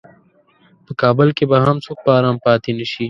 په کابل کې به هم څوک په ارام پاتې نشي.